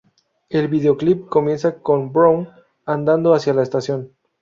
El videoclip comienza con Brown andando hacia la estación.